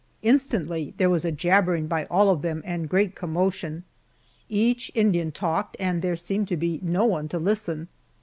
Instantly there was a jabbering by all of them and great commotion. Each Indian talked and there seemed to be no one to listen.